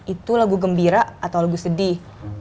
itu lagu gembira atau lagu sedih